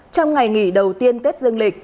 trong ngày nghỉ đầu tiên tết dương lịch